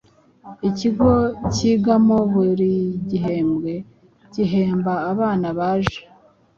Ikigo nigamo buri gihembwe gihemba abana baje